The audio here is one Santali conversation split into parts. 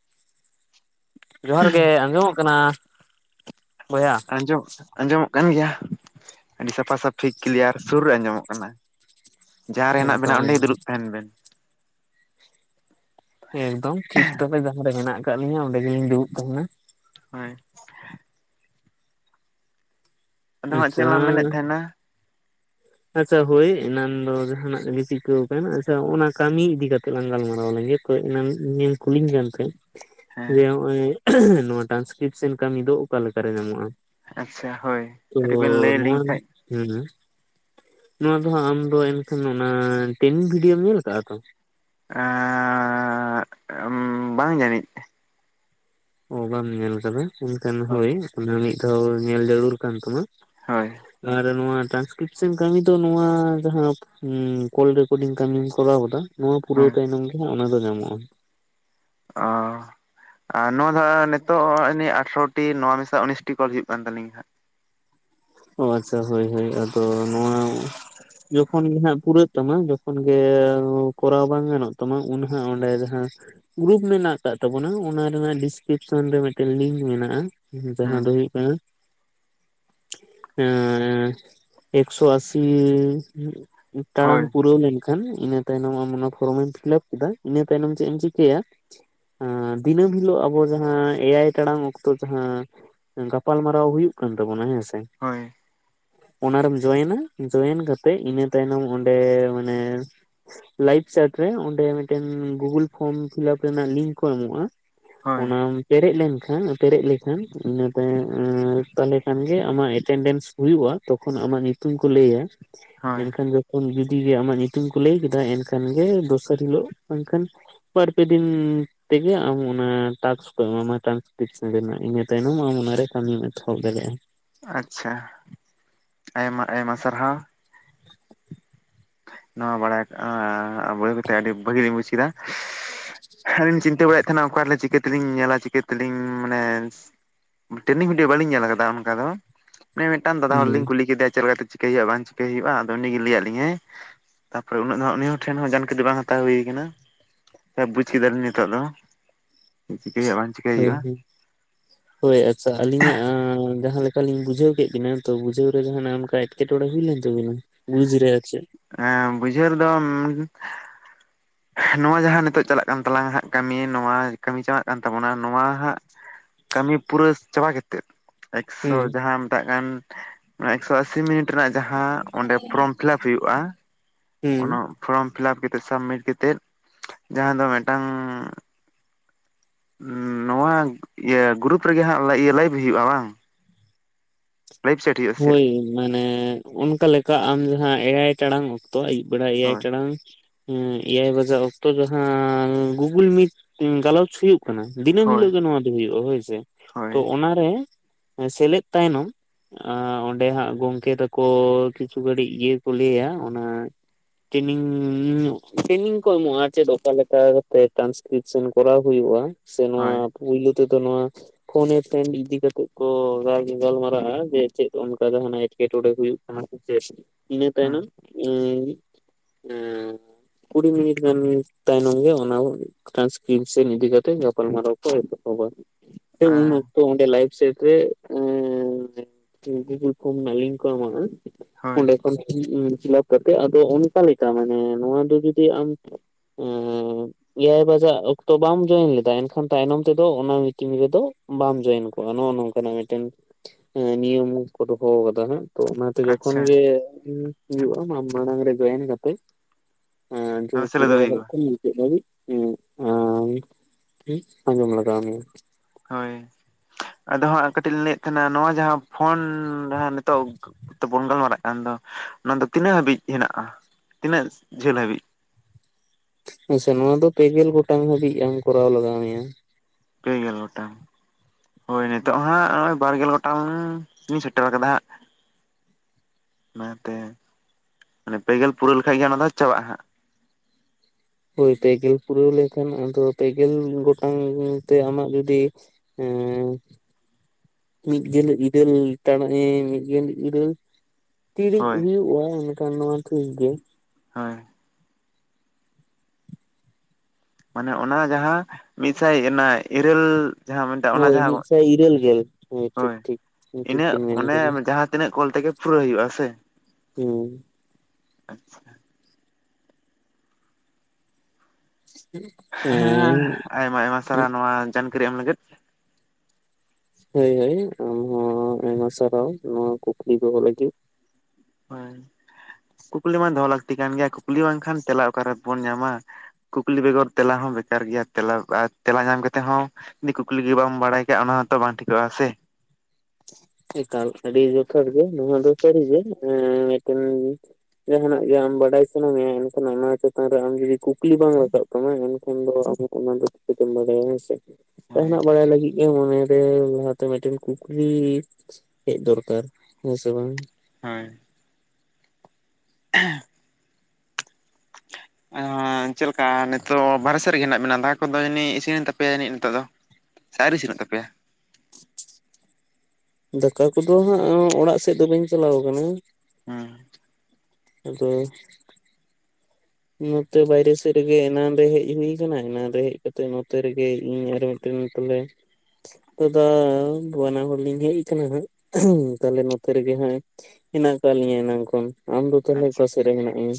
[inaudible] ᱡᱚᱦᱟᱨ ᱜᱮ ᱟᱸᱡᱚᱢᱚᱜ ᱠᱟᱱᱟ ᱵᱚᱭᱦᱟ ᱟᱸᱡᱚᱢ ᱟᱸᱡᱚᱢᱚᱜ ᱠᱟᱱ ᱜᱮᱭᱟ ᱟᱹᱰᱤ ᱥᱟᱯᱷᱟ ᱥᱟᱹᱯᱷᱤ ᱠᱞᱤᱭᱟᱨ ᱥᱩᱨ ᱨᱮ ᱟᱸᱡᱚᱢᱚᱜ ᱠᱟᱱᱟ ᱡᱟᱦᱟᱸ ᱨᱮ ᱦᱮᱱᱟᱜ ᱵᱮᱱᱟ ᱮᱠᱫᱚᱢ ᱚᱸᱰᱮ ᱜᱮ ᱫᱩᱲᱩᱵ ᱛᱟᱦᱮᱱ ᱵᱮᱱ ᱮᱠᱫᱚᱢ ᱴᱷᱤᱠ ᱛᱚᱵᱮ ᱡᱟᱦᱟᱸᱨᱮ ᱢᱮᱱᱟᱜ ᱟᱠᱟᱫ ᱞᱤᱧᱟᱹ ᱚᱸᱰᱮ ᱜᱮᱞᱤᱧ ᱫᱩᱲᱩᱵ ᱛᱟᱦᱮᱱᱟ ᱦᱳᱭ ᱟᱫᱚ ᱦᱟᱸᱜ ᱟᱪᱪᱷᱟ ᱪᱮᱫᱞᱟᱝ ᱢᱮᱱᱮᱫ ᱛᱟᱦᱮᱱᱟ ᱟᱪᱪᱷᱟ ᱦᱳᱭ ᱮᱱᱟᱱ ᱫᱚ ᱡᱟᱦᱱᱟᱜ ᱜᱮ ᱪᱤᱠᱟᱹᱣ ᱟᱠᱟᱱ ᱟᱪᱪᱷᱟ ᱚᱱᱟ ᱠᱟᱹᱢᱤ ᱤᱫᱤ ᱠᱟᱛᱮᱜ ᱞᱟᱝ ᱜᱟᱞᱢᱟᱨᱟᱣ ᱞᱮᱜᱮ ᱛᱚ ᱮᱱᱟᱱ ᱤᱧᱮᱢ ᱠᱩᱞᱤᱧ ᱠᱟᱱ ᱛᱟᱦᱮᱸᱫ ᱦᱮᱸ ᱤᱭᱟᱹ ᱦᱚᱸᱚᱭ ᱱᱚᱣᱟ ᱴᱨᱟᱱᱥᱠᱨᱤᱯᱥᱮᱱ ᱠᱟᱹᱢᱤ ᱫᱚ ᱚᱠᱟ ᱞᱮᱠᱟᱨᱮ ᱧᱟᱢᱚᱜᱼᱟ ᱟᱪᱪᱷᱟ ᱦᱳᱭ ᱳᱻ ᱠᱟᱹᱴᱤᱡ ᱵᱮᱱ ᱞᱟᱹᱭ ᱟᱹᱞᱤᱧ ᱱᱚᱣᱟᱨᱮᱫᱚ ᱠᱷᱟᱡ ᱦᱩᱸ ᱱᱚᱣᱟ ᱫᱚ ᱦᱟᱸᱜ ᱟᱢ ᱫᱚ ᱮᱱᱠᱷᱟᱱ ᱚᱱᱟ ᱴᱮᱱᱤᱝ ᱵᱷᱤᱰᱭᱳᱢ ᱧᱮᱞ ᱟᱠᱟᱟ ᱛᱚ ᱟᱸᱻ ᱩᱢᱻ ᱵᱟᱝ ᱡᱟᱹᱱᱤᱡ ᱚ ᱵᱟᱢ ᱧᱮᱞ ᱠᱟᱫᱟ ᱮᱱᱠᱷᱟᱱ ᱦᱳᱭ ᱚᱱᱟ ᱢᱤᱫ ᱫᱷᱟᱣ ᱧᱮᱞ ᱡᱟᱨᱩᱲ ᱠᱟᱱ ᱛᱟᱢᱟ ᱦᱳᱭ ᱟᱨ ᱱᱚᱣᱟ ᱴᱨᱟᱱᱥᱠᱤᱯ ᱥᱮᱱ ᱠᱟᱹᱢᱤ ᱫᱚ ᱱᱚᱣᱟ ᱡᱟᱦᱟᱸ ᱠᱚᱞ ᱨᱮᱠᱚᱨᱰᱤᱝ ᱠᱟᱹᱢᱤᱢ ᱠᱚᱨᱟᱣ ᱠᱟᱫᱟ ᱱᱚᱣᱟ ᱯᱩᱨᱟᱹᱣ ᱦᱳᱭ ᱛᱟᱭᱱᱚᱢ ᱜᱮ ᱦᱟᱸᱜ ᱚᱱᱟ ᱫᱚ ᱧᱟᱢᱚᱜᱼᱟ ᱟ ᱟᱨ ᱱᱚᱣᱟ ᱫᱚ ᱱᱮᱛᱚᱜ ᱱᱤᱭᱟᱹ ᱟᱴᱷᱨᱚᱴᱤ ᱱᱚᱣᱟ ᱢᱮᱥᱟ ᱩᱱᱤᱥᱴᱤ ᱠᱚᱞ ᱦᱩᱭᱩᱜ ᱠᱟᱱ ᱛᱟᱹᱞᱤᱧᱟ ᱦᱟᱸᱜ ᱚ ᱟᱪᱪᱷᱟ ᱦᱳᱭ ᱦᱳᱭ ᱟᱫᱚ ᱱᱚᱣᱟ ᱡᱚᱠᱷᱚᱱ ᱜᱮ ᱦᱟᱸᱜ ᱯᱩᱨᱟᱹᱜ ᱛᱟᱢᱟ ᱡᱚᱠᱷᱚᱱ ᱜᱮ ᱠᱚᱨᱟᱣ ᱵᱟᱝ ᱜᱟᱱᱚᱜ ᱛᱟᱢᱟ ᱩᱱᱦᱟᱸᱜ ᱚᱸᱰᱮ ᱡᱟᱦᱟᱸ ᱜᱨᱩᱯ ᱢᱮᱱᱟᱜ ᱠᱟᱫ ᱛᱟᱵᱚᱱᱟ ᱚᱱᱟ ᱨᱮᱱᱟᱜ ᱰᱤᱥᱠᱤᱯᱥᱚᱱ ᱨᱮ ᱢᱤᱫᱴᱮᱱ ᱞᱤᱝᱠ ᱢᱮᱱᱟᱜ-ᱟ ᱦᱩᱸ ᱦᱩᱸ ᱡᱟᱦᱟᱸ ᱫᱚ ᱦᱩᱭᱩᱜ ᱠᱟᱱᱟ ᱮᱸᱻ ᱮᱠᱥᱚ ᱟᱥᱤ ᱴᱟᱲᱟᱝ ᱦᱳᱭ ᱯᱩᱨᱟᱹᱣ ᱞᱮᱱᱠᱷᱟᱱ ᱤᱱᱟᱹ ᱛᱟᱭᱱᱚᱢ ᱟᱢ ᱚᱱᱟ ᱯᱷᱚᱨᱚᱢᱮᱢ ᱯᱷᱤᱞᱟᱯ ᱠᱮᱫᱟ ᱤᱱᱟᱹ ᱛᱟᱭᱱᱚᱢ ᱪᱮᱫ ᱮᱢ ᱪᱤᱠᱟᱹᱭᱟ ᱮᱸ ᱫᱤᱱᱟᱹᱢ ᱦᱤᱞᱳᱜ ᱟᱵᱚ ᱡᱟᱦᱟᱸ ᱮᱭᱟᱭ ᱴᱟᱲᱟᱝ ᱚᱠᱛᱚ ᱡᱟᱦᱟᱸ ᱜᱟᱯᱟᱞ ᱢᱟᱨᱟᱣ ᱦᱩᱭᱩᱜ ᱠᱟᱱ ᱛᱟᱵᱚᱱᱟ ᱦᱮᱸᱥᱮ ᱦᱳᱭ ᱚᱱᱟᱨᱮᱢ ᱡᱚᱭᱮᱱᱟ ᱡᱚᱭᱮᱱ ᱠᱟᱛᱮᱜ ᱤᱱᱟᱹ ᱛᱟᱭᱱᱚᱢ ᱚᱸᱰᱮ ᱢᱟᱱᱮ ᱞᱟᱭᱤᱯ ᱪᱟᱨᱴ ᱨᱮ ᱚᱸᱰᱮ ᱢᱤᱫᱴᱮᱱ ᱜᱩᱜᱩᱞ ᱯᱷᱚᱢ ᱯᱷᱤᱞᱟᱯ ᱨᱮᱱᱟᱜ ᱞᱤᱝᱠ ᱠᱚ ᱮᱢᱚᱜᱼᱟ ᱦᱳᱭ ᱚᱱᱟᱢ ᱯᱮᱨᱮᱡ ᱞᱮᱱᱠᱷᱟᱱ ᱯᱮᱨᱮᱡ ᱞᱮᱠᱷᱟᱱ ᱤᱱᱟᱹᱛᱟᱭᱢ ᱛᱟᱞᱦᱮ ᱠᱷᱟᱱᱜᱮ ᱟᱢᱟᱜ ᱮᱴᱮᱱᱰᱮᱱᱥ ᱦᱩᱭᱩᱜ-ᱟ ᱛᱚᱠᱷᱚᱱ ᱟᱢᱟᱜ ᱧᱩᱛᱩᱢ ᱠᱚ ᱞᱟᱹᱭᱟ ᱦᱳᱭ ᱮᱱᱠᱷᱟᱱᱜᱮ ᱡᱩᱫᱤ ᱜᱮ ᱟᱢᱟᱜ ᱧᱩᱛᱩᱢ ᱠᱚ ᱞᱟᱹᱭ ᱠᱮᱫᱟ ᱮᱱᱠᱷᱟᱱ ᱜᱮ ᱫᱚᱥᱟᱨ ᱦᱤᱞᱳᱜ ᱵᱟᱝ ᱠᱷᱟᱱ ᱵᱟᱨᱯᱮ ᱫᱤᱱ ᱛᱮᱜᱮ ᱟᱢ ᱚᱱᱟ ᱴᱟᱠᱥ ᱠᱚ ᱮᱢᱟᱢᱟ ᱴᱨᱟᱱᱥᱠᱤᱯᱥᱮᱱ ᱨᱮᱱᱟᱜ ᱤᱱᱟᱹ ᱛᱟᱭᱱᱚᱢ ᱟᱢ ᱚᱱᱟᱨᱮ ᱠᱟᱹᱢᱤᱢ ᱮᱛᱚᱦᱚᱵ ᱫᱟᱲᱮᱜ-ᱟ ᱟᱪᱪᱷᱟ ᱟᱭᱢᱟ ᱟᱭᱢᱟ ᱥᱟᱨᱦᱟᱣ ᱱᱚᱣᱟ ᱵᱟᱲᱟᱭ ᱵᱟᱹᱭᱵᱟᱹᱭ ᱛᱮ ᱟᱹᱰᱤ ᱵᱷᱟᱹᱜᱤ ᱞᱤᱧ ᱵᱩᱡᱽ ᱠᱮᱫᱟ ᱟᱹᱞᱤᱧ ᱞᱤᱧ ᱪᱤᱱᱛᱟᱹ ᱵᱟᱲᱟᱭᱮᱫ ᱛᱟᱦᱮᱱᱟ ᱚᱠᱟᱨᱮ ᱪᱤᱠᱟᱹ ᱛᱤᱞᱤᱧ ᱧᱮᱞᱟ ᱪᱤᱠᱟᱹ ᱛᱤᱞᱤᱧ ᱢᱟᱱᱮ ᱴᱨᱮᱱᱤᱝ ᱵᱷᱤᱰᱤᱭᱳ ᱵᱟᱹᱞᱤᱧ ᱧᱮᱞ ᱟᱠᱟᱫᱟ ᱚᱱᱠᱟ ᱫᱚ ᱚᱱᱮ ᱢᱤᱫ ᱴᱟᱝ ᱫᱟᱫᱟ ᱦᱚᱲᱞᱤᱧ ᱦᱩᱸ ᱠᱩᱞᱤ ᱠᱮᱫᱮᱭᱟ ᱪᱮᱫ ᱞᱮᱠᱟᱛᱮ ᱪᱤᱠᱟᱹᱭ ᱦᱩᱭᱩᱜ-ᱟ ᱵᱟᱝ ᱪᱤᱠᱟᱹᱭ ᱦᱩᱭᱩᱜ-ᱟ ᱟᱫᱚ ᱩᱱᱤᱜᱤ ᱞᱟᱹᱭᱟᱜ ᱞᱤᱧᱟᱹᱭ ᱛᱟᱯᱚᱨᱮ ᱩᱱᱟᱹᱜ ᱫᱚ ᱦᱟᱸᱜ ᱩᱱᱤ ᱦᱚᱲ ᱴᱷᱮᱱ ᱦᱚᱸ ᱡᱟᱱᱠᱟᱨᱤ ᱫᱚ ᱵᱟᱝ ᱦᱟᱛᱟᱣ ᱦᱩᱭ ᱠᱟᱱᱟ ᱵᱩᱪ ᱠᱮᱫᱟᱞᱤᱧ ᱱᱤᱛᱚᱜ ᱫᱚ ᱪᱮᱜ ᱪᱤᱠᱟᱹᱭ ᱦᱩᱭᱩᱜ-ᱟ ᱵᱟᱝ ᱪᱤ ᱦᱳᱭ ᱦᱳᱭ [inaudible] ᱦᱳᱭ ᱟᱪᱪᱷᱟ ᱟᱹᱞᱤᱧᱟᱜᱻ ᱡᱟᱦᱟᱸ ᱞᱮᱠᱟᱞᱤᱧ ᱵᱩᱡᱷᱟᱹᱣ ᱠᱮᱫ ᱠᱤᱱᱟ ᱛᱚ ᱵᱩᱡᱷᱟᱹᱣ ᱨᱮ ᱚᱱᱮ ᱚᱱᱠᱟ ᱮᱴᱠ ᱠᱮᱴᱚᱲᱮ ᱦᱩᱭ ᱞᱮᱱ ᱛᱟᱵᱤᱱᱟ ᱵᱩᱡᱽ ᱨᱮ ᱟᱨᱪᱮᱫ? ᱮᱸ ᱵᱩᱡᱷᱟᱹᱣ ᱨᱮᱫᱚᱢ ᱱᱚᱣᱟ ᱡᱟᱦᱟᱸ ᱱᱤᱛᱚᱜ ᱪᱟᱞᱟᱜ ᱠᱟᱱ ᱛᱟᱞᱟᱝᱟ ᱦᱟᱸᱜ ᱠᱟᱹᱢᱤ ᱱᱚᱣᱟ ᱠᱟᱹᱢᱤ ᱪᱟᱵᱟᱜ ᱠᱟᱱ ᱛᱟᱵᱚᱱᱟ ᱱᱚᱣᱟ ᱦᱟᱸᱜ ᱠᱟᱹᱢᱤ ᱯᱩᱨᱟᱹ ᱪᱟᱵᱟ ᱜᱮᱛᱮᱫ ᱮᱠᱥᱚ ᱦᱩᱸ ᱡᱟᱦᱟᱸ ᱢᱮᱛᱟᱜ ᱠᱟᱱ ᱮᱠᱥᱚ ᱟᱥᱤ ᱢᱤᱱᱤᱴ ᱨᱮᱱᱟᱜ ᱡᱟᱦᱟᱸ ᱚᱸᱰᱮ ᱯᱷᱨᱚᱢ ᱯᱷᱤᱞᱟᱯ ᱦᱩᱭᱩᱜ-ᱟ ᱦᱩᱸ ᱚᱱᱚᱜ ᱯᱷᱚᱨᱚᱢ ᱯᱷᱤᱞᱟᱯ ᱠᱟᱛᱮᱫ ᱥᱟᱵᱽᱢᱤᱴ ᱠᱟᱛᱮᱫ ᱡᱟᱦᱟᱸ ᱫᱚ ᱢᱮᱴᱟᱝ ᱱᱚᱣᱟ ᱤᱭᱟᱹ ᱜᱩᱨᱩᱯ ᱨᱮᱜᱮ ᱦᱟᱸᱜ ᱞᱟᱭᱤᱵᱷ ᱦᱩᱭᱩᱜ-ᱟ ᱵᱟᱝ ᱞᱟᱭᱤᱵᱷ ᱥᱮᱴ ᱦᱩᱭᱩᱜᱼᱟ ᱥᱮ ᱪᱮᱫ ᱦᱳᱭ ᱢᱟᱱᱮ ᱚᱱᱠᱟ ᱞᱮᱠᱟ ᱟᱢ ᱡᱟᱦᱟᱸ ᱮᱭᱟᱭ ᱴᱟᱲᱟᱝ ᱚᱠ ᱛᱚ ᱟᱹᱭᱩᱵ ᱵᱮᱲᱟ ᱮᱭᱟᱭ ᱦᱳᱭ ᱴᱟᱲᱟᱝ ᱦᱮᱸ ᱮᱭᱟᱭ ᱵᱟᱡᱟᱜ ᱚᱠᱛᱚ ᱡᱟᱦᱟᱸ ᱜᱩᱜᱩᱞ ᱢᱤᱴ ᱜᱟᱞᱚᱪ ᱦᱩᱭᱩᱜ ᱠᱟᱱᱟ ᱫᱤᱱᱟᱹᱢ ᱦᱳᱭ ᱦᱤᱞᱳᱜ ᱜᱮ ᱱᱚᱣᱟ ᱫᱚ ᱦᱩᱭᱩᱜᱼᱟ ᱦᱳᱭᱥᱮ ᱦᱳᱭ ᱛᱚ ᱚᱱᱟᱨᱮ ᱥᱮᱞᱮᱫ ᱛᱟᱭᱱᱚᱢ ᱟᱻ ᱚᱸᱰᱮ ᱦᱟᱸᱜ ᱜᱚᱝᱠᱮ ᱛᱟᱠᱚ ᱠᱤᱪᱷᱩ ᱜᱷᱟᱹᱲᱤᱡ ᱜᱤ ᱠᱚ ᱞᱟᱹᱭᱟ ᱚᱱᱟ ᱴᱤᱱᱤᱝ ᱴᱤᱱᱤᱝ ᱠᱚ ᱮᱢᱚᱜ-ᱟ ᱪᱮᱫ ᱚᱠᱟᱞᱮᱠᱟ ᱠᱚᱛᱮ ᱴᱨᱟᱱᱥᱠᱨᱤᱯᱥᱚᱱ ᱠᱚᱨᱟᱣ ᱦᱩᱭᱩᱜ-ᱟ ᱥᱮ ᱱᱚᱣᱟ ᱦᱳᱭ ᱯᱩᱭᱞᱳ ᱛᱮᱫᱚ ᱱᱚᱣᱟ ᱯᱷᱳᱱ ᱮ ᱯᱷᱮᱱᱰ ᱤᱫᱤ ᱠᱟᱛᱮᱜ ᱠᱚ ᱜᱟᱞᱢᱟᱨᱟᱜ-ᱟ ᱡᱮ ᱪᱮᱫ ᱚᱱᱠᱟ ᱫᱚ ᱦᱟᱱᱮ ᱮᱴᱠᱮᱴᱚᱬᱮ ᱦᱩᱭᱩᱜ ᱠᱟᱱᱟ ᱥᱮ ᱪᱮ ᱤᱱᱟᱹ ᱦᱩᱸ ᱛᱟᱭᱱᱚᱢ ᱩᱦ- ᱮᱸᱻ ᱠᱩᱲᱤ ᱢᱤᱱᱤᱴ ᱜᱟᱱ ᱛᱟᱭᱱᱚᱢ ᱜᱮ ᱚᱱᱟ ᱦᱚᱸ ᱴᱨᱟᱱᱥᱠᱤᱨᱤᱯᱥᱮᱱ ᱤᱫᱤ ᱠᱟᱛᱮ ᱜᱟᱯᱟᱞ ᱢᱟᱨᱟᱣ ᱠᱚ ᱮᱛᱚᱦᱚᱵᱟ ᱩᱱ ᱟᱸ ᱚᱠᱛᱚ ᱚᱸᱰᱮ ᱞᱟᱭᱤᱯᱷ ᱥᱮᱴ ᱨᱮ ᱮᱸᱻ ᱜᱩᱜᱩᱞ ᱯᱷᱳᱢ ᱱᱟᱜ ᱞᱤᱝᱠ ᱠᱚ ᱮᱢᱟ ᱟᱜ ᱦᱳᱭ ᱚᱱᱰᱮ- ᱩᱦ ᱩᱦ ᱯᱷᱤᱞᱟᱯ ᱠᱟᱛᱮ ᱟᱫᱚ ᱚᱱᱠᱟ ᱞᱮᱠᱟ ᱢᱟᱱᱮ ᱱᱚᱣᱟ ᱫᱚ ᱡᱩᱫᱤ ᱟᱢ- [unintelligible] ᱮᱭᱟᱭ ᱵᱟᱡᱟᱜ ᱚᱠᱛᱚ ᱵᱟᱢ ᱡᱚᱭᱮᱱ ᱞᱮᱫᱟ ᱮᱱ ᱠᱷᱟᱱ ᱛᱟᱭᱱᱚᱢ ᱛᱮᱫᱚ ᱚᱱᱟ ᱢᱤᱴᱤᱝ ᱨᱮᱫᱚ- ᱵᱟᱢ ᱡᱚᱭᱮᱱ ᱠᱚᱼᱟ ᱱᱚᱜᱼᱚᱭ ᱱᱚᱝᱠᱟᱱᱟᱜ ᱢᱤᱫᱴᱮᱱ ᱮᱸ ᱱᱤᱭᱟᱢ- ᱠᱚ ᱫᱚᱦᱚ ᱟᱠᱟᱫᱟ ᱦᱟᱸᱜ ᱛᱚ ᱚᱱᱟ ᱡᱚᱠᱷᱚᱱ ᱟᱪᱪᱷᱟ ᱜᱮ- ᱦᱤᱡᱩᱜᱼᱟ ᱟᱢ ᱢᱟᱲᱟᱝ ᱨᱮ ᱡᱚᱭᱮᱱ ᱠᱟᱛᱮ ᱮᱜ ᱡᱳ ᱟᱨ ᱯᱩᱨᱟᱹ ᱥᱮᱞᱮᱫᱚᱜ ᱮᱦᱚᱵ ᱦᱩᱭᱩᱜᱼᱟ ᱠᱷᱚᱱ ᱢᱩ- ᱪᱮᱫᱷᱟᱣᱤᱜ ᱮᱸ ᱟᱢ ᱟᱡᱚᱢ ᱞᱟᱫᱟ ᱞᱤᱧ ᱦᱳᱭ ᱟᱫᱚ ᱦᱟᱜ ᱠᱟᱹᱴᱤᱡ ᱞᱟᱹᱭᱮᱫ ᱛᱟᱦᱮᱱᱟ ᱱᱚᱣᱟ ᱡᱟᱦᱟ ᱯᱷᱳᱱ ᱡᱟᱦᱟ ᱱᱤᱛᱚᱜ- ᱛᱚ ᱵᱚᱱ ᱜᱟᱞᱢᱟᱨᱟᱜ ᱠᱟᱱ ᱫᱚ ᱱᱟᱣᱟ ᱫᱚ ᱛᱤᱱᱟᱹᱜ ᱦᱟᱹᱵᱤᱡ ᱦᱮᱱᱟᱜᱼᱟ ᱛᱤᱱᱟᱹᱜ ᱡᱷᱟᱹᱞ ᱦᱟᱹᱵᱤᱡ? ᱦᱮᱥᱮ ᱱᱚᱣᱟ ᱫᱚ ᱯᱮ ᱜᱮᱞ ᱜᱚᱴᱟᱝ ᱦᱟᱵᱤᱡ ᱟᱢ ᱠᱚᱨᱟᱣ ᱞᱟᱜᱟᱣ ᱢᱮᱭᱟ ᱾ ᱯᱮ ᱜᱮᱞ ᱜᱚᱴᱟᱝ ᱦᱳᱭ ᱱᱤᱛᱚᱜ ᱦᱟᱜ ᱱᱚᱜᱼᱚᱭ ᱵᱟᱨ ᱜᱮᱞ ᱜᱚᱴᱟᱝ ᱞᱤᱧ ᱥᱮᱴᱮᱨ ᱠᱟᱫᱟ ᱦᱟᱸᱜ ᱚᱱᱟᱛᱮ ᱢᱟᱱᱮ ᱯᱮ ᱜᱮᱞ ᱯᱩᱨᱟᱹᱣ ᱞᱮᱠᱷᱟᱡ ᱜᱮ ᱚᱱᱟ ᱫᱚ ᱪᱟᱵᱟᱜᱼᱟ ᱦᱟᱜ ᱦᱳᱭ ᱯᱮ ᱜᱮᱞ ᱯᱩᱨᱟᱹᱣ ᱞᱮᱠᱷᱟᱱ ᱟᱫᱚ ᱯᱮ ᱜᱮᱞ ᱜᱚᱴᱟᱝ ᱛᱮ ᱟᱢᱟᱜ ᱡᱩᱫᱤ- ᱮᱸᱻ ᱢᱤᱫ ᱜᱮᱞ ᱤᱫᱟᱹᱞᱮ ᱛᱟᱲᱟᱜ ᱮᱸ ᱢᱤᱫ ᱜᱮᱞ ᱤᱨᱟᱹᱞ ᱴᱤᱲᱤᱡ ᱦᱳᱭ ᱩᱭᱩᱜ-ᱟ ᱮᱱᱠᱷᱟᱱ ᱱᱚᱣᱟ ᱴᱷᱤᱠ ᱜᱮ ᱦᱳᱭ ᱢᱟᱱᱮ ᱚᱱᱟ ᱡᱟᱦᱟ ᱢᱤᱫ ᱥᱟᱭ ᱮᱱᱟ ᱤᱨᱟᱹᱞ- ᱡᱟᱦᱟ ᱢᱮᱱ ᱴᱟᱜ ᱚᱱᱟ ᱦᱳᱭ ᱡᱟᱦᱟ ᱢᱤᱫᱥᱟᱭ ᱤᱨᱟᱹᱞ ᱜᱮᱞ ᱴᱷᱤᱠ ᱦᱳᱭ ᱴᱷᱤᱠ ᱴᱷᱤᱠ ᱤᱱᱟᱹᱜ ᱵᱤᱱ ᱢᱮᱱ ᱚᱱᱮ ᱠᱟᱫᱟ ᱡᱟᱦᱟ ᱛᱤᱱᱟᱹᱜ ᱠᱳᱞ ᱛᱮᱜᱮ ᱯᱩᱨᱟᱹ ᱦᱩᱭᱩᱜᱼᱟ ᱥᱮ ᱦᱩᱸ ᱟᱪᱪᱷᱟ [unintelligible] ᱦᱮᱸᱻ ᱟᱭᱢᱟ ᱟᱭᱢᱟ ᱥᱟᱨᱦᱟᱣ ᱱᱚᱣᱟ ᱡᱟᱱᱠᱟᱨᱤ ᱮᱢ ᱞᱟᱹᱜᱤᱫ ᱦᱳᱭ ᱦᱳᱭ ᱟᱢ ᱦᱚᱸ ᱟᱭᱢᱟ ᱥᱟᱨᱦᱟᱣ ᱱᱚᱣᱟ ᱠᱩᱠᱞᱤ ᱫᱚᱦᱚ ᱞᱟᱜᱤᱫ ᱦᱳᱭ ᱠᱩᱠᱞᱤ ᱢᱟ ᱫᱚᱦᱚ ᱞᱟᱹᱠᱛᱤ ᱠᱟᱱ ᱜᱮᱭᱟ ᱠᱩᱠᱞᱤ ᱵᱟᱝ ᱠᱷᱟᱱ ᱛᱮᱞᱟ ᱚᱠᱟᱨᱮ ᱵᱚᱱ ᱧᱟᱢᱟ? ᱠᱩᱠᱞᱤ ᱵᱮᱜᱚᱨ ᱛᱮᱞᱟ ᱦᱚ ᱵᱮᱠᱟᱨ ᱜᱮᱭᱟ ᱛᱮᱞᱟ ᱟᱨ ᱛᱮᱞᱟ ᱧᱟᱢ ᱠᱟᱛᱮᱫ ᱦᱚᱸ ᱠᱩᱠᱞᱤ ᱜᱮ ᱵᱟᱢ ᱵᱟᱲᱟᱭ ᱠᱟᱜᱼᱟ ᱚᱱᱟ ᱦᱚᱛᱚ ᱵᱟᱝ ᱴᱷᱤᱠᱚᱜ ᱟ ᱥᱮ ᱮᱠᱟᱞ ᱟᱹᱰᱤ ᱡᱩᱛᱷᱟᱫ ᱜᱮ ᱱᱚᱣᱟ ᱫᱚ ᱥᱟᱹᱨᱤ ᱜᱮ ᱮᱸ ᱢᱤᱫᱴᱮᱱ ᱡᱟᱦᱟ ᱱᱟᱜ ᱜᱮ ᱟᱢ ᱵᱟᱰᱟᱭ ᱥᱟᱱᱟ ᱢᱮᱭᱟ ᱮᱱᱠᱷᱟᱱ ᱚᱱᱟ ᱪᱮᱛᱟᱱ ᱨᱮ ᱟᱢ ᱡᱩᱫᱤ ᱠᱩᱠᱞᱤ ᱵᱟᱢ ᱨᱟᱠᱟᱵ- [unintelligible] ᱮᱱᱠᱷᱟᱱ ᱫᱚ ᱟᱫᱚ ᱚᱱᱟ ᱫᱚ ᱪᱤᱠᱟᱹᱛᱮᱢ ᱵᱟᱲᱟᱭᱟ ᱦᱳᱭ ᱥᱮ ᱦᱳᱭ ᱡᱟᱦᱟᱱᱟᱜ ᱵᱟᱲᱟᱭ ᱞᱟᱜᱤᱫ ᱜᱮ ᱢᱚᱱᱮ ᱨᱮ ᱞᱟᱦᱟᱛᱮ ᱢᱤᱫ ᱴᱮᱱ ᱠᱩ ᱠᱞᱤ ᱦᱮᱡ ᱫᱚᱨᱠᱟᱨ ᱦᱮ ᱥᱮ ᱵᱟᱝ ᱦᱮᱸ [unintelligible] ᱚᱜ-ᱜ ᱪᱮᱫ ᱞᱮᱠᱟ ᱱᱤᱛᱚᱜ ᱵᱟᱨᱦᱮ ᱥᱮᱫ ᱨᱮᱜᱮ ᱦᱮᱱᱟᱜ ᱵᱮᱱᱟ ᱫᱟᱠᱟ ᱠᱚᱫᱚ ᱡᱟᱹᱱᱤᱡ ᱤᱥᱤ ᱱᱮᱱ ᱛᱟᱯᱮᱭᱟ ᱡᱟᱹᱱᱤᱡ ᱱᱤᱛᱚᱜ ᱫᱚ᱾ ᱥᱮ ᱟᱣᱨᱤ ᱤᱥᱤᱱᱚᱜ ᱛᱟᱯᱮᱭᱟ ᱫᱟᱠᱟ ᱠᱚᱫᱚ ᱦᱟᱜ ᱚᱜ ᱚᱲᱟᱜ ᱥᱮᱪ ᱫᱚ ᱵᱟᱹᱧ ᱪᱟᱞᱟᱣ ᱟᱠᱟᱱᱟ ᱦᱩᱸ ᱟᱫᱚ ᱱᱚᱛᱮ ᱵᱟᱭᱨᱮ ᱥᱮ ᱨᱮᱜᱮ ᱮᱱᱟᱱ ᱨᱮ ᱦᱮᱡ ᱦᱩᱭ ᱠᱟᱱᱟ ᱮᱱᱟᱱ ᱨᱮ ᱦᱮᱡ ᱠᱟᱛᱮᱜ ᱱᱚᱛᱮ ᱨᱮᱜᱮ ᱤᱧ ᱟᱨ ᱢᱤᱫᱴᱮᱱ [unintelligible] ᱫᱟᱫᱟ ᱵᱟᱱᱟ ᱦᱚᱲ ᱞᱤᱧ ᱦᱮᱡ ᱠᱟᱱᱟ ᱦᱟᱜ ᱛᱟᱦᱚᱞᱮ ᱱᱚᱛᱮ ᱨᱮᱜᱮ ᱦᱟᱜ ᱦᱮᱱᱟᱜ ᱟᱠᱟᱫ ᱞᱤᱧᱟᱹ ᱮᱱᱟᱝ ᱠᱷᱚᱱ ᱟᱢ ᱫᱚ ᱛᱟᱦᱚᱞᱮ ᱚᱠᱟ ᱥᱮᱫ ᱨᱮ ᱢᱮᱱᱟᱜ ᱢᱮᱭᱟ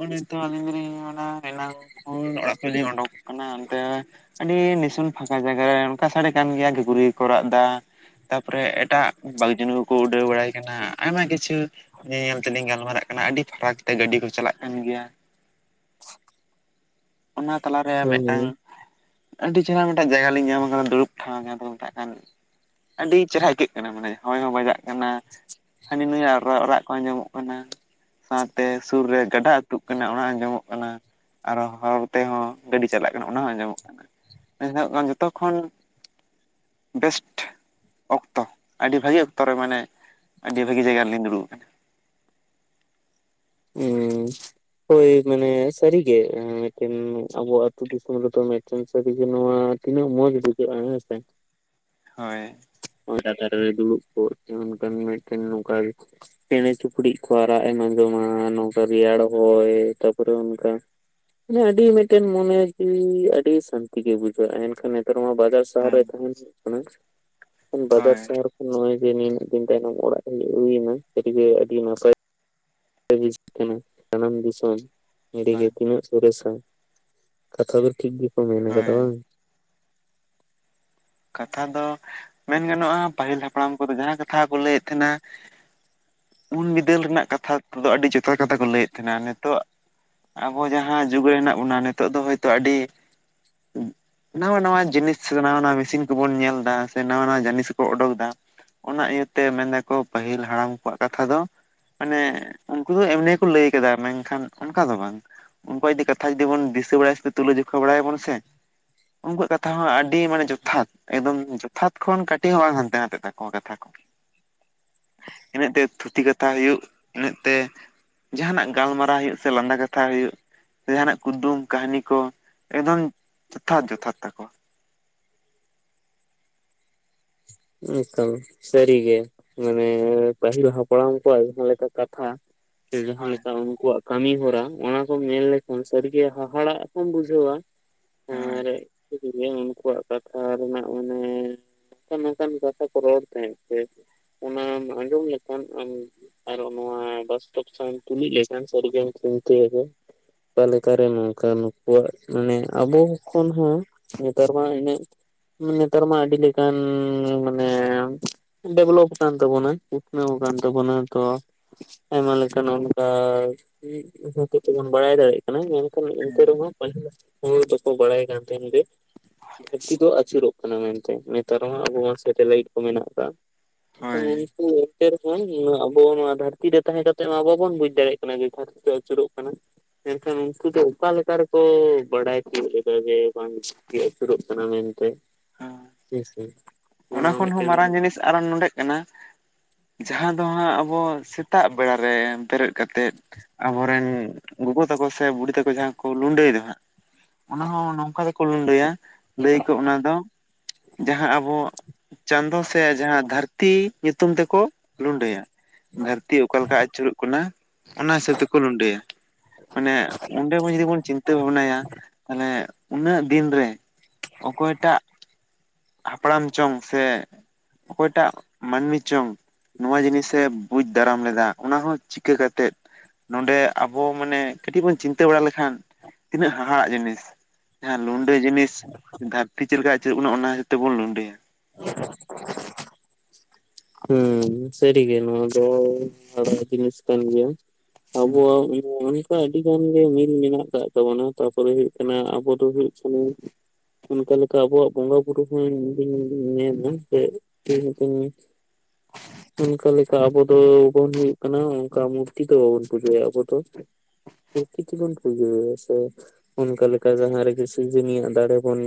ᱟᱱᱮ ᱛᱚ ᱟᱹᱞᱤᱧ ᱫᱚᱞᱤᱧ ᱮᱱᱟ ᱠᱷᱚᱱ ᱚᱲᱟᱜ ᱠᱷᱚᱱ ᱞᱤᱧ ᱚᱰᱩᱠ ᱠᱟᱱᱟ ᱚᱱᱛᱮ ᱟᱹᱰᱤ ᱱᱤᱥᱩᱱ ᱯᱷᱟᱸᱠᱟ ᱡᱟᱭᱜᱟᱨᱮ ᱚᱱᱠᱟ ᱥᱟᱰᱮ ᱠᱟᱱ ᱜᱮᱭᱟ ᱜᱷᱩᱨᱤᱡ ᱠᱚ ᱨᱟᱜ ᱮᱫᱟ ᱛᱟᱯᱚᱨᱮ ᱮᱴᱟᱜ ᱵᱟᱜᱽ ᱡᱩᱱᱩ ᱠᱚᱠᱚ ᱩᱰᱟᱹᱣ ᱵᱟᱲᱟᱭ ᱠᱟᱱᱟ ᱟᱭᱢᱟ ᱠᱤᱪᱷᱩ ᱧᱮ ᱧᱮᱞ ᱛᱮᱞᱤᱧ ᱜᱟᱞᱢᱟᱨᱟᱜ ᱠᱟᱱᱟ ᱟᱹᱰᱤ ᱯᱷᱟᱨᱟᱠ ᱛᱮ ᱜᱟᱹᱰᱤ ᱠᱚ ᱪᱟᱞᱟᱜ ᱠᱟᱱ ᱜᱮᱭᱟ᱾ ᱚᱱᱟ ᱛᱟᱞᱟᱨᱮᱭᱟᱜ ᱢᱤᱫᱴᱟᱝ ᱢᱮᱭᱟ? ᱟᱹᱰᱤ ᱪᱮᱦᱨᱟ ᱢᱤᱫᱴᱟᱝ ᱡᱟᱭᱜᱟ ᱞᱤᱧ ᱧᱟᱢ ᱟᱠᱟᱫᱟ ᱫᱩᱲᱩᱵ ᱴᱷᱟᱶ ᱡᱟᱦᱟᱸ ᱫᱚᱠᱚ ᱢᱮᱛᱟᱜ ᱠᱟᱱ ᱟᱹᱰᱤ ᱪᱮᱦᱨᱟ ᱟᱹᱭᱠᱟᱹᱜ ᱠᱟᱱᱟ ᱢᱟᱱᱮ ᱦᱚᱭ ᱦᱚᱸ ᱵᱟᱡᱟᱜ ᱠᱟᱱᱟ ᱦᱟᱹᱱᱤ ᱱᱩᱭᱟᱜ ᱨᱟᱻᱨᱟᱜ ᱠᱚ ᱟᱸᱡᱚᱢᱚᱜ ᱠᱟᱱᱟ᱾ ᱥᱟᱶᱛᱮ ᱥᱩᱨ ᱨᱮ ᱜᱟᱰᱟ ᱟᱹᱛᱩᱜ ᱠᱟᱱᱟ ᱚᱱᱟ ᱟᱸᱡᱚᱢᱚᱜ ᱠᱟᱱᱟ ᱟᱨᱦᱚᱸ ᱦᱚᱨ ᱛᱮᱦᱚᱸ ᱜᱟᱹᱰᱤ ᱪᱟᱞᱟᱜ ᱠᱟᱱᱟ ᱚᱱᱟ ᱦᱚᱸ ᱟᱸᱡᱚᱢᱚᱜ ᱠᱟᱱᱟ ᱡᱚᱛᱚ ᱠᱷᱚᱱ ᱵᱮᱥᱴ ᱚᱠᱛᱚ ᱟᱹᱰᱤ ᱵᱷᱟᱹᱜᱤ ᱚᱠᱛᱚᱨᱮ ᱢᱟᱱᱮ ᱟᱹᱰᱤ ᱵᱷᱟᱹᱜᱤ ᱡᱟᱭᱜᱟ ᱨᱮᱞᱤᱧ ᱫᱩᱲᱩᱵ ᱟᱠᱟᱱᱟ᱾ ᱤᱧ ᱦᱳᱭ ᱢᱟᱱᱮ ᱥᱟᱹᱨᱤᱜᱮ ᱢᱤᱫᱴᱤᱱ ᱟᱵᱚ ᱟᱹᱛᱩ ᱫᱤᱥᱚᱢ ᱨᱮᱫᱚ ᱥᱟᱨᱤ ᱜᱮ ᱱᱚᱣᱟ ᱛᱤᱱᱟᱹᱜ ᱢᱚᱸᱡᱽ ᱵᱩᱡᱷᱟᱹᱜᱼᱟ ᱦᱮᱸᱥᱮ ᱦᱳᱭ [unintelligible] ᱪᱮᱸᱬᱮ ᱪᱩᱯᱲᱤᱫ ᱠᱚ ᱟᱨᱟᱜ ᱮᱢ ᱟᱸᱡᱚᱢᱟ ᱱᱚᱝᱠᱟ ᱨᱮᱭᱟᱲ ᱦᱚᱭ ᱛᱟᱯᱚᱨᱮ ᱚᱱᱠᱟ ᱢᱟᱱᱮ ᱟᱹᱰᱤ ᱢᱤᱫᱴᱮᱱ ᱢᱚᱱᱮ ᱡᱤᱣᱤ ᱟᱹᱰᱤ ᱥᱟᱹᱱᱛᱤ ᱜᱮ ᱵᱩᱡᱷᱟᱹᱜᱼᱟ ᱮᱱᱠᱷᱟᱱ ᱱᱮᱛᱟᱨ ᱢᱟ ᱵᱟᱡᱟᱨ ᱥᱟᱦᱟᱨ ᱦᱮᱸ ᱛᱟᱦᱮᱱ ᱦᱩᱭᱩᱜ ᱠᱟᱱᱟ᱾ ᱵᱚᱫᱟᱨ ᱦᱳᱭ [inaudible] ᱫᱤᱱ ᱛᱟᱭᱚᱢ ᱚᱲᱟᱜ ᱦᱩᱭᱮᱱᱟ ᱡᱮ ᱟᱹᱰᱤ ᱜᱮ ᱱᱟᱯᱟᱭ [unintelligible] ᱠᱟᱱᱟ ᱡᱟᱱᱟᱢ ᱫᱤᱥᱚᱢ ᱱᱚᱸᱰᱮ ᱦᱳᱭ ᱜᱮ ᱛᱤᱱᱟᱹᱜ ᱥᱚᱨᱮᱥᱟ ᱠᱟᱛᱷᱟ ᱫᱚ ᱴᱷᱤᱠ ᱜᱮᱠᱚ ᱢᱮᱱ ᱟᱠᱟᱫᱟ ᱦᱳᱭ ᱵᱟᱝ ᱠᱟᱛᱷᱟ ᱫᱚ ᱢᱮᱱ ᱜᱟᱱᱚᱜᱼᱟ, ᱯᱟᱹᱦᱤᱞ ᱦᱟᱯᱲᱟᱢ ᱠᱚᱫᱚ ᱡᱟᱦᱟᱱ ᱠᱟᱛᱷᱟ ᱜᱮᱠᱚ ᱞᱟᱹᱭᱮᱫ ᱛᱟᱦᱮᱱᱟ ᱩᱱ ᱵᱤᱫᱟᱹᱞ ᱨᱮᱱᱟᱜ ᱠᱟᱛᱷᱟ ᱠᱚᱫᱚ ᱟᱹᱰᱤ ᱡᱚᱛᱷᱟᱛ ᱠᱟᱛᱷᱟ ᱠᱚ ᱞᱟᱹᱭᱮᱫ ᱛᱟᱦᱮᱱᱟ ᱱᱤᱛᱚᱜ ᱟᱵᱚ ᱡᱟᱦᱟᱸ ᱡᱩᱜᱽ ᱨᱮ ᱦᱮᱱᱟᱜ ᱵᱚᱱᱟ ᱱᱤᱛᱚᱜ ᱫᱚ ᱦᱚᱭᱛᱚ ᱟᱹᱰᱤ ᱱᱟᱣᱟ ᱱᱟᱣᱟ ᱡᱤᱱᱤᱥ ᱱᱟᱣᱟ ᱱᱟᱤᱥ ᱥᱤᱱ ᱠᱚᱵᱚᱱ ᱧᱮᱞ ᱮᱫᱟ ᱥᱮ ᱱᱟᱣᱟ ᱱᱟᱣᱟ ᱡᱤᱱᱤᱥ ᱠᱚ ᱚᱰᱚᱠ ᱫᱟ ᱚᱱᱟ ᱤᱭᱟᱹᱛᱮ ᱢᱮᱱᱫᱟᱠᱚ ᱯᱟᱹᱦᱤᱞ ᱦᱟᱲᱟᱢ ᱠᱚᱣᱟᱜ ᱠᱟᱛᱷᱟ ᱫᱚ ᱢᱟᱱᱮ ᱩᱱᱠᱩ ᱫᱚ ᱮᱢᱱᱤ ᱠᱚ ᱞᱟᱹᱭ ᱟᱠᱟᱫᱟ ᱢᱮᱱᱠᱷᱟᱱ ᱚᱱᱠᱟ ᱫᱚ ᱵᱟᱝ ᱩᱱᱠᱩᱣᱟᱜ ᱡᱩᱫᱤ ᱠᱟᱛᱷᱟ ᱡᱩᱫᱤ ᱵᱚᱱ ᱫᱤᱥᱟᱹ ᱵᱟᱲᱟ ᱛᱩᱞᱟᱹᱡᱚᱠᱷᱟ ᱵᱟᱲᱟᱭᱟᱵᱚᱱ ᱥᱮ ᱩᱱᱠᱩᱣᱟᱜ ᱠᱟᱛᱷᱟ ᱦᱚᱸ ᱟᱹᱰᱤ ᱢᱟᱱᱮ ᱡᱚᱛ ᱡᱚᱛᱷᱟᱛ ᱮᱠᱫᱚᱢ ᱡᱚᱛᱷᱟᱛ ᱠᱷᱚᱱ ᱠᱟᱹᱴᱤᱡ ᱦᱚᱸ ᱵᱟᱝ ᱦᱟᱱᱛᱮ ᱱᱟᱱᱛᱮ ᱛᱟᱠᱚᱣᱟ ᱠᱟᱛᱷᱟ ᱠᱚ ᱤᱱᱟᱹᱜ ᱛᱮ ᱛᱷᱩᱛᱤ ᱠᱟᱛᱷᱟ ᱦᱩᱭᱩᱜ ᱤᱱᱟᱹᱜ ᱛᱮ ᱡᱟᱦᱟᱱᱟᱜ ᱜᱟᱞᱢᱟᱨᱟᱣ ᱦᱩᱭᱩᱜ ᱥᱮ ᱞᱟᱸᱫᱟ ᱠᱟᱛᱷᱟ ᱦᱩᱭᱩᱜ ᱡᱟᱦᱟᱱᱟᱜ ᱠᱩᱫᱩᱢ ᱠᱟᱹᱦᱱᱤ ᱠᱚ ᱮᱠᱫᱚᱢ ᱡᱚᱛᱷᱟᱛ ᱡᱚᱛᱷᱟᱛ ᱛᱟᱠᱚᱣᱟ ᱦᱮᱸ ᱛᱚ ᱥᱟᱹᱨᱤ ᱜᱮ ᱢᱟᱱᱮ ᱯᱟᱹᱦᱤᱞ ᱦᱟᱯᱲᱟᱢ ᱠᱚᱣᱟᱜ ᱡᱟᱦᱟᱸ ᱞᱮᱠᱟ ᱠᱟᱛᱷᱟ ᱥᱮ ᱡᱟᱦᱟᱸᱮ ᱦᱳᱭ ᱞᱮᱠᱟ ᱩᱱᱠᱩᱣᱟᱜ ᱠᱟᱹᱢᱤ ᱦᱚᱨᱟ ᱚᱱᱟ ᱠᱚᱢ ᱧᱮᱞ ᱞᱮᱠᱷᱟᱱ ᱥᱟᱹᱨᱜᱤᱮ ᱦᱟᱻᱦᱟᱻᱲᱟᱜ ᱠᱚᱢ ᱵᱩᱡᱷᱟᱹᱣᱟ ᱦᱳᱭ ᱟᱨ ᱮ ᱩᱱᱠᱩᱣᱟᱜ ᱠᱟᱛᱷᱟ ᱨᱮᱱᱟᱜ ᱢᱟᱱᱮ [unintelligible] ᱚᱱᱠᱟᱱ ᱠᱟᱛᱷᱟ ᱠᱚ ᱨᱚᱲ ᱛᱟᱦᱮᱸᱫ ᱥᱮ ᱚᱱᱟᱢ ᱟᱸᱡᱚᱢ ᱞᱮᱠᱷᱟᱱ ᱟᱢ ᱟᱨᱚ ᱱᱚᱣᱟ [inaudible] ᱥᱟᱶ ᱛᱩᱞᱩᱡ [inaudible] ᱚᱠᱟ ᱞᱮᱠᱟᱨᱮ ᱱᱚᱝᱠᱟ ᱱᱩᱠᱩᱣᱟᱜ ᱢᱟᱱᱮ ᱟᱵᱚ ᱠᱷᱚᱱ ᱦᱚᱸ ᱱᱮᱛᱟᱨ ᱢᱟ ᱤᱱᱜᱟ. ᱜ ᱱᱮᱛᱟᱨ ᱢᱟ ᱟᱹᱰᱤ ᱞᱮᱠᱟᱱ ᱢᱟᱱᱮ ᱰᱮᱵᱷᱞᱚᱯ ᱟᱠᱟᱱ ᱛᱟᱵᱚᱱᱟ ᱩᱛᱱᱟᱹᱣ ᱟᱠᱟᱱ ᱛᱟᱵᱚᱱᱟ ᱛᱚ ᱟᱭᱢᱟ ᱞᱮᱠᱟ ᱱᱚᱱᱠᱟ [unintelligible] ᱵᱟᱲᱟᱭ ᱫᱟᱲᱮᱜ ᱠᱟᱱᱟ, ᱢᱮᱱᱠᱷᱟᱱ ᱤᱱᱛᱮ ᱦᱮᱸ ᱨᱮᱦᱚᱸ ᱯᱟᱹᱦᱤᱞ ᱦᱚᱲ ᱫᱚᱠᱚ ᱵᱟᱲᱟᱭ ᱠᱟᱱ ᱛᱟᱦᱮᱱ ᱜᱮᱭᱟ ᱫᱷᱟᱹᱨᱛᱤ ᱫᱚ ᱟᱹᱪᱩᱨᱚᱜ ᱠᱟᱱᱟ ᱢᱮᱱᱛᱮ ᱱᱮᱛᱟᱨ ᱦᱚᱸ ᱟᱵᱚ ᱥᱮᱴᱮᱞᱟᱭᱤᱴ ᱠᱚ ᱢᱮᱱᱟᱜ ᱟᱠᱟᱫᱟ ᱦᱳᱭ [unintelligible] ᱥᱮ ᱨᱳᱠᱳᱢ ᱱᱚᱶᱟ ᱟᱵᱚ ᱱᱚᱶᱟ ᱫᱷᱟᱹᱨᱛᱤ ᱨᱮ ᱛᱟᱦᱮᱸ ᱠᱟᱛᱮ ᱢᱟ ᱵᱟᱵᱚᱱ ᱵᱩᱡᱽ ᱫᱟᱲᱮᱭᱟᱜ ᱠᱟᱱᱟ ᱡᱮ ᱫᱷᱟᱹᱨᱛᱤ ᱫᱚ ᱟᱹᱪᱩᱨᱚᱜ ᱠᱟᱱᱟ ᱮᱱᱠᱷᱟᱱ ᱩᱱᱠᱩ ᱫᱚ ᱚᱠᱟ ᱞᱮᱠᱟ ᱨᱮᱠᱚ ᱵᱟᱰᱟᱭ ᱛᱤᱜᱩᱱ ᱞᱮᱜ-ᱟ ᱡᱮ ᱵᱟᱝ ᱜᱮ ᱟᱹᱪᱩᱨᱚᱜ ᱠᱟᱱᱟ ᱢᱮᱱᱛᱮ ᱦᱮᱸᱥᱮ ᱚᱱᱟ ᱱᱚᱣᱟ ᱠᱷᱚᱱ ᱦᱚᱸ ᱢᱤᱫᱴᱮᱱ ᱢᱟᱨᱟᱝ ᱡᱤᱱᱤᱥ ᱟᱨᱚ ᱱᱚᱰᱮᱜ ᱠᱟᱱᱟ ᱡᱟᱦᱟᱸ ᱫᱚ ᱦᱟᱸᱜ ᱟᱵᱚ ᱥᱮᱛᱟᱜ ᱵᱮᱲᱟᱟᱨᱮ ᱵᱮᱨᱮᱫ ᱠᱟᱛᱮᱫ ᱟᱵᱚᱨᱮᱱ ᱜᱚᱜᱚ ᱛᱟᱠᱚ ᱥᱮ ᱵᱩᱲᱤ ᱛᱟᱠᱚ ᱡᱟᱦᱟᱸ ᱠᱚ ᱞᱩᱰᱟᱹᱭ ᱫᱚ ᱦᱟᱸᱜ ᱚᱱᱟ ᱦᱚᱸ ᱱᱚᱝᱠᱟ ᱜᱮᱠᱚ ᱞᱟᱹᱭᱟ ᱞᱟᱹᱭ ᱠᱚ ᱚᱱᱟ ᱫᱚ ᱡᱟᱦᱟᱸ ᱟᱵᱚ ᱪᱟᱸᱫᱚ ᱥᱮ ᱡᱟᱦᱟᱸ ᱫᱷᱟᱹᱨᱛᱤ ᱧᱩᱛᱩᱢ ᱛᱮᱠᱚ ᱞᱩᱸᱰᱟᱹᱭᱟ ᱫᱷᱟᱹᱨᱛᱤ ᱚᱠᱟ ᱞᱮᱠᱟ ᱟᱹᱪᱩᱨᱚᱜ ᱠᱟᱱᱟ ᱚᱱᱟ ᱦᱤᱥᱟᱹᱵ ᱛᱮᱠᱚ ᱞᱩᱸᱰᱟᱹᱭᱟ ᱢᱟᱱᱮ ᱚᱸᱰᱮ ᱵᱚᱱ ᱡᱚᱫᱤ ᱵᱚᱱ ᱪᱤᱱᱛᱟᱹ ᱵᱷᱟᱵᱱᱟᱭᱟ ᱛᱟᱦᱚᱞᱮ ᱩᱱᱟᱹᱜ ᱫᱤᱱ ᱨᱮ ᱚᱠᱚᱭ ᱴᱟᱜ ᱦᱟᱯᱲᱟᱢ ᱪᱚᱝ ᱥᱮ ᱚᱠᱚᱭᱴᱟᱜ ᱢᱟᱹᱱᱢᱤ ᱪᱚᱝ ᱱᱚᱣᱟ ᱡᱤᱱᱤᱥᱮ ᱵᱩᱡᱽ ᱫᱟᱨᱟᱢ ᱞᱮᱫᱟ ᱚᱱᱟ ᱦᱚᱸ ᱪᱤᱠᱟᱹ ᱠᱟᱛᱮᱜ ᱱᱚᱰᱮ ᱟᱵᱚ ᱢᱟᱱᱮ ᱠᱟᱹᱴᱤᱡ ᱵᱚᱱ ᱪᱤᱱᱛᱟᱹ ᱵᱟᱲᱟ ᱞᱮᱠᱷᱟᱱ ᱛᱤᱱᱟᱹᱜ ᱦᱟᱦᱟᱲᱟᱜ ᱡᱤᱱᱤᱥ ᱡᱟᱦᱟᱸ ᱞᱩᱸᱰᱟᱹ ᱡᱤᱱᱤᱥ ᱫᱷᱟᱹᱵᱛᱤ ᱪᱮᱫ ᱞᱮᱠᱟ ᱟᱹᱪᱩᱨ ᱵᱚᱱᱟ ᱚᱱᱟ ᱦᱤᱥᱟᱹᱵ ᱛᱮᱵᱚᱱ ᱞᱩᱸᱰᱟᱹᱭᱟ ᱦᱩᱸ ᱥᱟᱹᱨᱤ ᱜᱮ ᱱᱚᱣᱟ ᱫᱚ ᱦᱟᱦᱟᱲᱟᱜ ᱡᱤᱱᱤᱥ ᱠᱟᱱ ᱜᱮᱭᱟ ᱟᱵᱚᱣᱟᱜ [unintelligible] ᱟᱹᱰᱤ ᱜᱟᱱ ᱜᱮ ᱢᱤᱞ ᱢᱮᱱᱟᱜ ᱟᱠᱟᱫ ᱛᱟᱵᱚᱱᱟ ᱛᱟᱨᱯᱚᱨᱮ ᱦᱩᱭᱩᱜ ᱠᱟᱱᱟ ᱟᱵᱚ ᱫᱚ ᱦᱩᱭᱩᱜ ᱠᱟᱱᱟ ᱚᱱᱠᱟ ᱞᱮᱠᱟ ᱟᱵᱚᱣᱟᱜ ᱵᱚᱸᱜᱟ ᱵᱩᱨᱩ ᱦᱚᱸ ᱤᱧᱫᱩᱧ ᱧᱮᱞᱟ ᱥᱮ [unintelligible] [inaudible] ᱚᱱᱠᱟ ᱞᱮᱠᱟ ᱟᱵᱚ ᱫᱚᱵᱚᱱ ᱦᱩᱭᱩᱜ ᱠᱟᱱᱟ ᱚᱱᱠᱟ ᱢᱩᱨᱛᱤ ᱫᱚ ᱵᱟᱵᱚᱱ ᱯᱩᱡᱟᱹᱭᱟ ᱟᱵᱚ ᱫᱚ ᱯᱚᱨᱠᱨᱤᱛᱤ ᱵᱚᱱ ᱯᱩᱡᱟᱹᱭᱟ ᱥᱮ ᱚᱱᱠᱟ ᱞᱮᱠᱟ ᱡᱟᱦᱟᱸ ᱨᱮᱜᱮ ᱥᱤᱡᱩᱱᱤᱭᱟᱜ ᱫᱟᱲᱮ ᱵᱚᱱ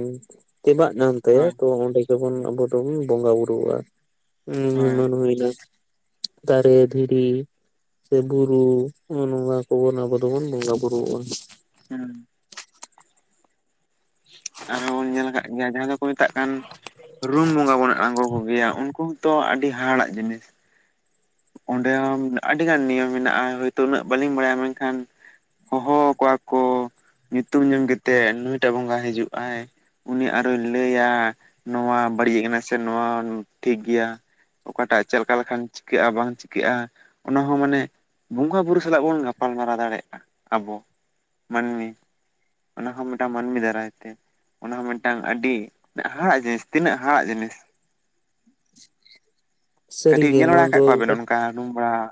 ᱛᱮᱵᱟᱜ ᱧᱚᱝ ᱛᱟ. ᱭᱟ ᱦᱳᱭ ᱛᱚ ᱚᱸᱰᱮ ᱜᱮᱵᱚᱱ ᱟᱵᱚ ᱫᱚᱵᱚᱱ ᱵᱚᱸᱜᱟ ᱵᱩᱨᱩ ᱣᱟᱜᱼᱟ ᱦ ᱦᱳᱭ ᱮᱢᱟᱱ ᱦᱩᱭ ᱮᱱᱟ ᱫᱟᱨᱮ ᱫᱷᱤᱨᱤ ᱥᱮ ᱵᱩᱨᱩ ᱱᱚᱜ ᱱᱚᱶᱟ ᱠᱚ ᱟᱵᱚ ᱫᱚᱵᱚᱱ ᱵᱚᱸᱜᱟ ᱵᱩᱨᱩ ᱣᱟᱜ-ᱟ ᱦᱮᱸ ᱟᱨᱦᱚᱸ ᱵᱚᱱ ᱧᱮᱞ ᱟᱠᱟᱫ ᱜᱮᱭᱟ ᱡᱟᱦᱟᱸᱭ ᱫᱚᱠᱚ ᱢᱮᱛᱟᱜ ᱠᱟᱱ ᱨᱩᱢ ᱵᱚᱸᱜᱟ ᱵᱚᱱ ᱟᱬᱜᱚ ᱠᱚ ᱜᱮᱭᱟ ᱩᱱ ᱩᱢ ᱦᱚᱸ ᱛᱚ ᱟᱹᱰᱤ ᱦᱟᱦᱟᱲᱟᱜ ᱡᱤᱱᱤᱥ ᱚᱸᱰᱮ ᱦᱚᱸ ᱟᱹᱰᱤ ᱜᱟᱱ ᱱᱤᱭᱚᱢ ᱢᱮᱱᱟᱜᱼᱟ ᱦᱳᱭᱛᱳ ᱩᱱᱟᱹᱜ ᱵᱟᱹᱞᱤᱧ ᱵᱟᱲᱟᱭᱟ ᱢᱮᱱᱠᱷᱟᱱ ᱦᱚᱦᱚ ᱟᱠᱚᱣᱟ ᱠᱚ ᱧᱩᱛᱩᱢ ᱧᱩᱢ ᱠᱟᱛᱮᱜ ᱱᱩᱭᱴᱟᱜ ᱵᱚᱸᱜᱟᱭ ᱦᱤᱡᱩᱜ ᱟᱭ ᱩᱱᱤ ᱟᱨᱦᱚᱸᱭ ᱞᱟᱹᱭᱟ ᱱᱚᱶᱟ ᱵᱟᱹᱲᱤᱡ ᱟᱠᱟᱱᱟ ᱥᱮ ᱱᱚᱶᱟ ᱴᱷᱤᱠ ᱜᱮᱭᱟ ᱚᱠᱟᱴᱟᱜ ᱪᱮᱫ ᱞᱮᱠᱟ ᱞᱮᱠᱷᱟᱱ ᱠᱟᱹᱜᱼᱟ ᱵᱟᱝ ᱪᱤᱠᱟᱹᱜᱼᱟ ᱚᱱᱟ ᱦᱚᱸ ᱢᱟᱱᱮ ᱵᱚᱸᱜᱟ ᱵᱳᱩᱨᱩ ᱥᱟᱞᱟᱜ ᱵᱚᱱ ᱜᱟᱯᱟᱞᱢᱟᱨᱟᱣ ᱫᱟᱲᱮᱭᱟᱜᱼᱟ ᱟᱵᱚ ᱢᱟᱹᱱᱢᱤ ᱚᱱᱟᱦᱚᱸ ᱢᱤᱫᱴᱟᱝ ᱢᱟᱹᱱᱢᱤ ᱫᱟᱨᱟᱭ ᱛᱮ ᱚᱱᱟ ᱦᱚᱸ ᱢᱤᱫᱴᱟᱝ ᱟᱹᱰᱤ ᱦᱟᱦᱟᱲᱟᱜ ᱡᱤᱱᱤᱥ ᱛᱤᱱᱟᱹᱜ ᱦᱟᱦᱟᱲᱟᱜ ᱡᱤᱱᱤᱥ ᱠᱟᱹᱴᱤᱡ ᱥᱟᱹᱨᱤᱜᱮ ᱧᱮᱞ ᱵᱟᱲᱟ ᱱᱚᱣᱟ ᱟᱠᱟᱫ ᱫᱚ ᱠᱚᱣᱟᱵᱮᱱ ᱚᱱᱠᱟ ᱨᱩᱢ ᱵᱟᱲᱟᱜ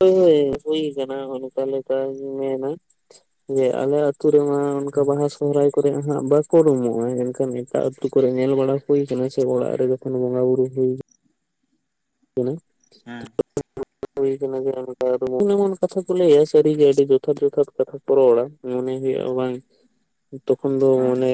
ᱦᱚᱭ ᱦᱩᱭ ᱟᱠᱟᱱᱟ ᱚᱱᱠᱟ ᱞᱮᱠᱟᱧ ᱢᱮᱱᱟ ᱡᱮ ᱟᱞᱮ ᱟ... ᱹᱛᱩ ᱨᱮᱢᱟ ᱚᱱᱠᱟ ᱵᱟᱦᱟ ᱥᱚᱦᱨᱟᱹᱭ ᱠᱚ...... ᱠᱚᱨᱮ ᱦᱟᱸᱜ ᱵᱟᱠᱚ ᱩᱰᱩᱢᱚᱜᱼᱟ ᱮᱱᱠᱷᱟᱱ ᱮᱴᱟᱜ ᱟᱹᱛᱩᱳ ᱠᱚᱨᱮ ᱧᱮᱞ ᱵᱟᱲᱟ ᱦᱩᱭ ᱟᱠᱟᱱᱟ ᱥᱮ ᱚᱲᱟᱜ ᱨᱮ ᱡᱚᱠᱷᱚᱱ ᱵᱚᱸᱜᱟ ᱵᱩᱨᱩ ᱦᱩᱭ ᱚᱱᱮ [inaudible] ᱦᱩᱭ ᱠᱟᱱᱟ ᱡᱚᱱᱮ ᱮᱢᱚᱱ ᱮᱢᱚᱱ ᱠᱟᱛᱷᱟ ᱠᱚ ᱞᱟᱹᱭᱟ ᱥᱟᱹᱨᱤᱜᱮ ᱟᱹᱰᱤ ᱡᱚᱛᱷᱟᱛ ᱡᱚᱛᱷᱟᱛ ᱠᱟᱛᱷᱟ ᱠᱚ ᱨᱚᱲᱟ ᱢᱚᱱᱮ ᱦᱩᱭᱩᱜᱼᱟ ᱵᱟᱝ [inaudible] ᱛᱚᱠᱷᱚᱱ ᱫᱚ ᱦᱮᱸ ᱢᱟᱱᱮ